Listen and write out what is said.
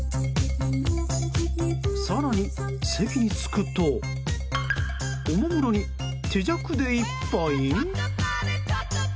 更に、席に着くとおもむろに手酌で一杯？